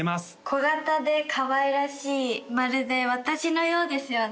小型でかわいらしいまるで私のようですよね